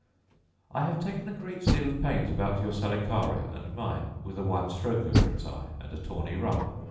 I have taken a great deal of pains about your salicaria and mine, with a white stroke over its eye, and a tawny rump.